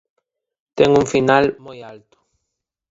Ten un final moi alto.